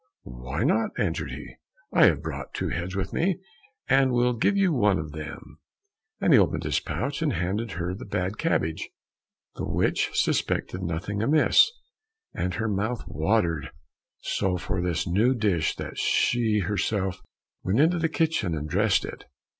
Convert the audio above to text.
"Why not?" answered he, "I have brought two heads with me, and will give you one of them," and he opened his pouch and handed her the bad cabbage. The witch suspected nothing amiss, and her mouth watered so for this new dish that she herself went into the kitchen and dressed it.